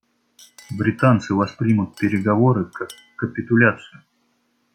Британцы воспримут переговоры как капитуляцию.